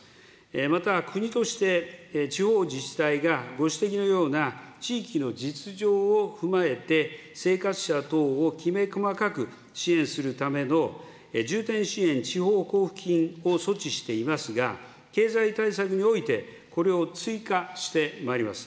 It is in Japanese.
また国として、地方自治体がご指摘のような地域の実情を踏まえて、生活者等をきめ細かく支援するための、重点支援地方交付金を措置していますが、経済対策において、これを追加してまいります。